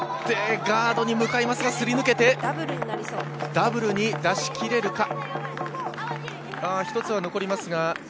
ガードに向かいますが、すり抜けてダブルに出し切れるか、１つは残りますが。